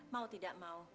mau tidak mau